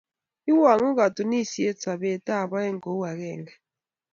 iwang'u katunisiet Sabet ab aeng Kou agenge